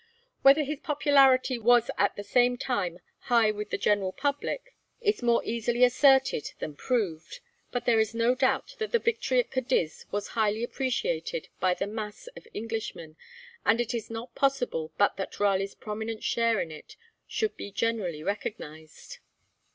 Whether his popularity was at the same time high with the general public is more easily asserted than proved, but there is no doubt that the victory at Cadiz was highly appreciated by the mass of Englishmen, and it is not possible but that Raleigh's prominent share in it should be generally recognised.